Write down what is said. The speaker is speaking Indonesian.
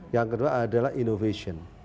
yang kedua adalah innovation